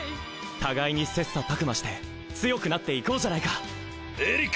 互いにせっさたくまして強くなっていこうじゃないかエリック